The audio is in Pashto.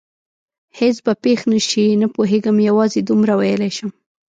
هېڅ به پېښ نه شي؟ نه پوهېږم، یوازې دومره ویلای شم.